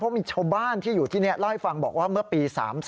เพราะมีชาวบ้านที่อยู่ที่นี่เล่าให้ฟังบอกว่าเมื่อปี๓๔